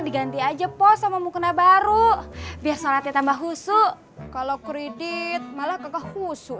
dan diajepo sama mukena baru biar solatnya tambah husu kalau kredit malah kehusus